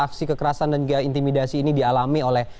aksi kekerasan dan juga intimidasi ini dialami oleh